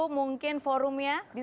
saya akan kepada cnn indonesia